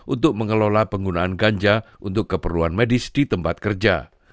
untuk mengelola penggunaan ganja untuk keperluan medis di tempat kerja